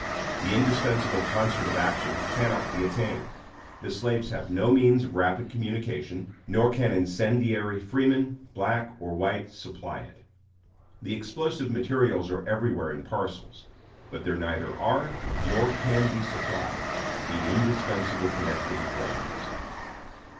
The indispensable concert of action cannot be attained. The slaves have no means of rapid communication; nor can incendiary freemen, black or white, supply it. The explosive materials are everywhere in parcels; but there neither are, nor can be supplied, the indispensable connecting trains.